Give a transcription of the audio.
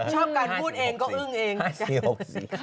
ชอบการพูดเองก็อึ้งเอง